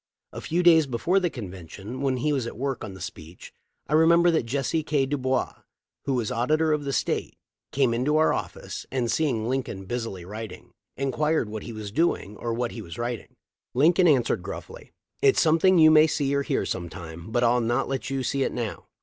A few days before the convention, when he was at work on the speech, I remember that Jesse K. Dubois,* who was Auditor of State, came into the office and. seeing Lincoln busily writing, inquired what he was doing or what he was writing. Lincoln answered gruffly, "It's something you may see or hear sometime, but I'll not let you see it now."